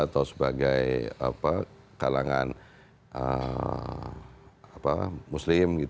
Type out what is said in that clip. atau sebagai kalangan muslim